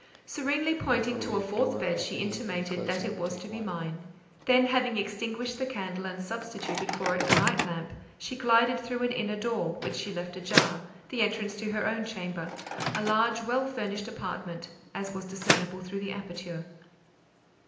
Serenely pointing to a fourth bed, she intimated that it was to be mine; then, having extinguished the candle and substituted for it a night lamp, she glided through an inner door, which she left ajar—the entrance to her own chamber, a large, well furnished apartment; as was discernible through the aperture.